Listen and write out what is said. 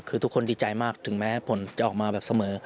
คือทุกคนดีใจมากถึงแม้ผลจะออกมาแบบเสมอ